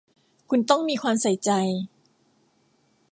คุณต้องมีความใส่ใจ